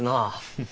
フフ。